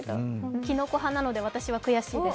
きのこ派なので私は悔しいです。